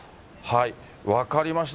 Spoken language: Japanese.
分かりました。